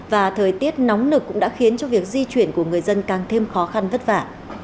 và thời tiết nóng nực cũng đã khiến cho việc di chuyển của người dân càng thêm khó khăn vất vả